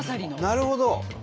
なるほど！